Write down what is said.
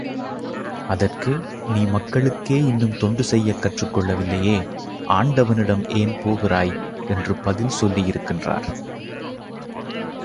அதற்கு, நீ மக்களுக்கே இன்னும் தொண்டு செய்யக் கற்றுக் கொள்ளவில்லையே, ஆண்டவனிடம் ஏன் போகிறாய், என்று பதில் சொல்லியிருக்கின்றார்.